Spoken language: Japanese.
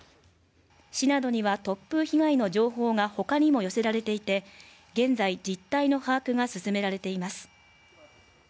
市などには突風被害の情報が他にも寄せられていて、現在実態の把握が進められています。